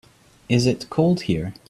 Is it cold here?